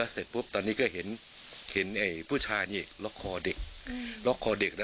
เสร็จก็เห็นผู้ชายนี้ล็อคอเด็ก